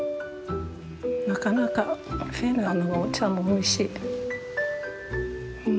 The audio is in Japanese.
なかなかフェンネルのお茶もおいしい。